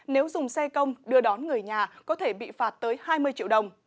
nếu dùng xe công đưa đón người nhà có thể bị phạt tới hai mươi triệu đồng